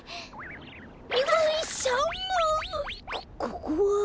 こここは？